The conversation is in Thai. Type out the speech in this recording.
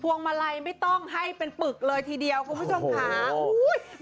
วงมาลัยไม่ต้องให้เป็นปึกเลยทีเดียวคุณผู้ชมค่ะอุ้ย